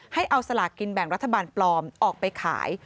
ให้เอาสลากกินแบ่งรัฐบาลปลอมออกไปขาย